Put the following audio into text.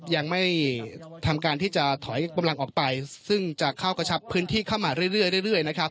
ยังไม่ทำการที่จะถอยกำลังออกไปซึ่งจะเข้ากระชับพื้นที่เข้ามาเรื่อยนะครับ